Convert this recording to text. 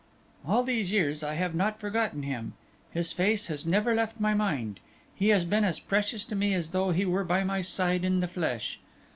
"All these years I have not forgotten him, his face has never left my mind, he has been as precious to me as though he were by my side in the flesh.